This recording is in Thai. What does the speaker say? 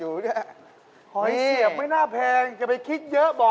หนังยางอีกสุด